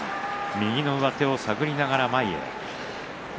右の上手を探りながら前に出る。